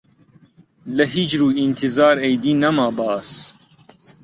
لە هیجر و ئینتیزار ئیدی نەما باس